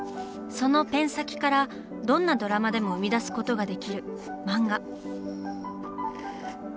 そのペン先からどんなドラマでも生み出すことができる「漫画」。